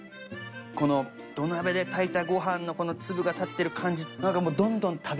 この土鍋で炊いたご飯のこの粒が立ってる感じ何かもう。